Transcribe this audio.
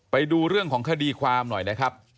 ไปดูเรื่องของคดีความหน่อยนะครับ